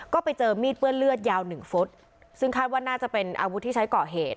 ก็ไปเจอมีดเปื้อนเลือดยาวหนึ่งฟุตซึ่งคาดว่าน่าจะเป็นอาวุธที่ใช้ก่อเหตุ